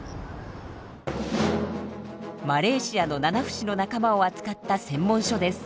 マレーシアのナナフシの仲間を扱った専門書です。